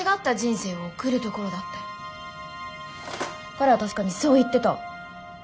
彼は確かにそう言ってた。